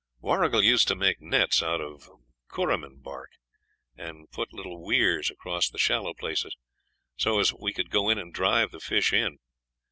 Warrigal used to make nets out of cooramin bark, and put little weirs across the shallow places, so as we could go in and drive the fish in.